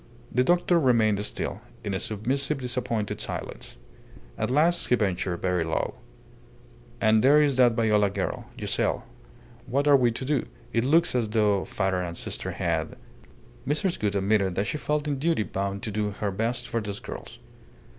The doctor remained still, in a submissive, disappointed silence. At last he ventured, very low "And there is that Viola girl, Giselle. What are we to do? It looks as though father and sister had " Mrs. Gould admitted that she felt in duty bound to do her best for these girls.